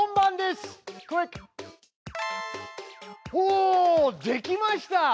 おできました！